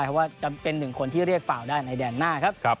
เพราะว่าจะเป็นหนึ่งคนที่เรียกฟาวได้ในแดนหน้าครับ